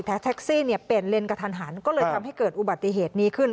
แท็กซี่เนี่ยเปลี่ยนเลนกระทันหันก็เลยทำให้เกิดอุบัติเหตุนี้ขึ้น